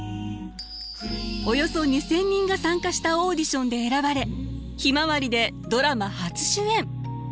およそ２，０００人が参加したオーディションで選ばれ「ひまわり」でドラマ初主演。